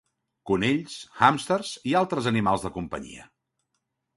Conills, hàmsters i altres animals de companyia.